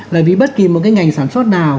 là vì bất kỳ một cái ngành sản xuất nào